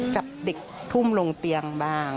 จับเด็กทุ่มลงเตียงบ้าง